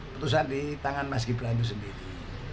putusan di tangan mas gibran itu sendiri